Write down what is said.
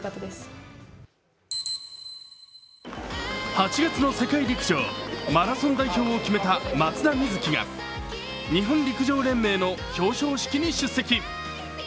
８月の世界陸上、マラソン代表を決めた松田瑞生が日本陸上連盟の表彰式に出席。